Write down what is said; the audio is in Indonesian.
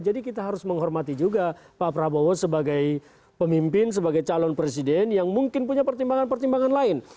jadi kita harus menghormati juga pak prabowo sebagai pemimpin sebagai calon presiden yang mungkin punya pertimbangan pertimbangan lain